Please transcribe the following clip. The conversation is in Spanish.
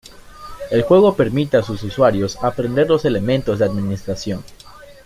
El juego permite a sus usuarios aprender los elementos de administración.